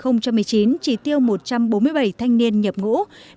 năm hai nghìn một mươi chín chỉ tiêu một trăm bốn mươi bảy thanh niên nhập ngũ